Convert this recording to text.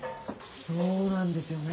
そうなんですよね。